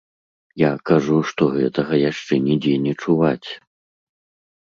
Я кажу, што гэтага яшчэ нідзе не чуваць.